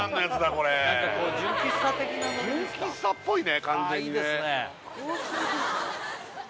これ純喫茶っぽいね